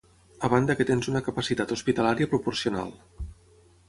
A banda que tens una capacitat hospitalària proporcional.